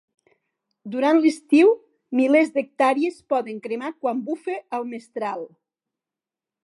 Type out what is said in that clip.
Durant l'estiu, milers d'hectàrees poden cremar quan bufa el mestral.